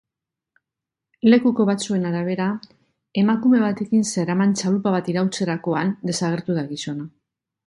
Lekuko batzuen arabera, emakume batekin zeraman txalupa bat iraultzerakoan desagertu da gizona.